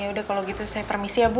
ya udah kalau gitu saya permisi ya bu